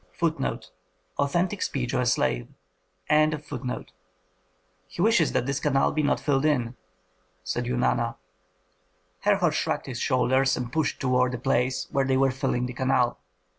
" Authentic speech of a slave. "He wishes that this canal be not filled in," said Eunana. Herhor shrugged his shoulders and pushed toward the place where they were filling the canal.